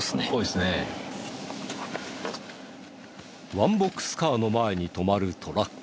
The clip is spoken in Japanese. ワンボックスカーの前に止まるトラック。